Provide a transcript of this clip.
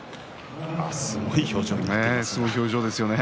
すごい表情になってますね。